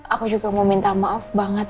aku juga mau minta maaf banget